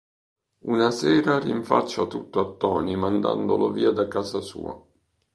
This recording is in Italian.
Una sera rinfaccia tutto a Toni mandandolo via da casa sua.